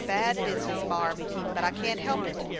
It's bad business, marm, but I can't help it.